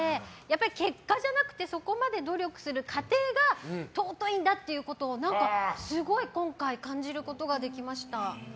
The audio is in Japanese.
結果じゃなくてそこまで努力する過程が尊いんだということをすごい今回感じることができました。